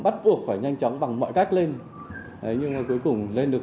bắt buộc phải nhanh chóng bằng mọi cách lên nhưng cuối cùng lên được